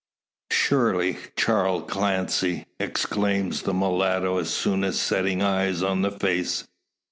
"Surely Charl Clancy!" exclaims the mulatto as soon as setting eyes on the face.